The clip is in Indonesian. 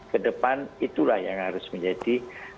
kedepan itulah yang harus menjadi